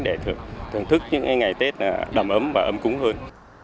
để thưởng thức những ngày tết đầm ấm và ấm cúng hơn